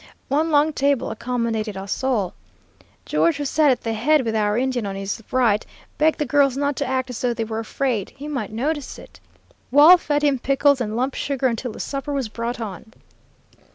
One long table accommodated us all. George, who sat at the head with our Indian on his right, begged the girls not to act as though they were afraid; he might notice it. Wall fed him pickles and lump sugar until the supper was brought on.